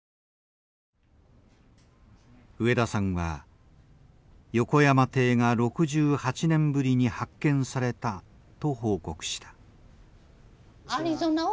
植田さんは横山艇が６８年ぶりに発見されたと報告した。